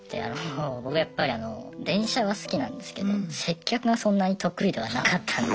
僕やっぱり電車は好きなんですけど接客がそんなに得意ではなかったので。